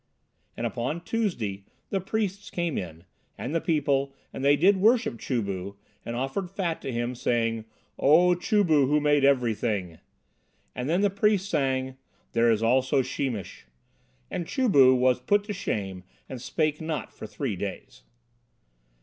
And upon Tuesday the priests came in, and the people, and they did worship Chu bu and offered fat to him, saying, "O Chu bu who made everything," and then the priests sang, "There is also Sheemish"; and Chu bu was put to shame and spake not for three days.